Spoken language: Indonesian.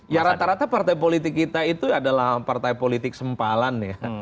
ya rata rata partai politik kita itu adalah partai politik sempalan ya